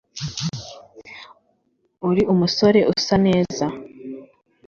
Uri umusore usa neza